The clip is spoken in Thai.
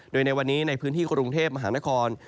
โดยในวันนี้ในพื้นที่กรุงเทพมหานคร